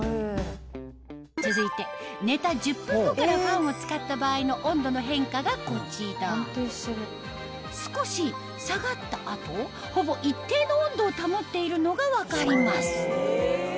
続いて寝た１０分後からファンを使った場合の温度の変化がこちら少し下がった後ほぼ一定の温度を保っているのが分かります